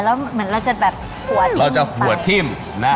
แล้วเหมือนเราจะแบบหัวทิ้มไป